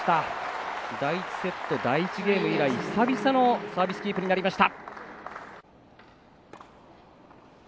第１セット第１ゲーム以来久々のサービスキープになりました。